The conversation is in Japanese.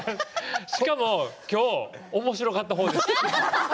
しかも今日はおもしろかった方です。